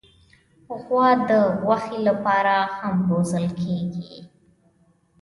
غوا د غوښې لپاره هم روزل کېږي.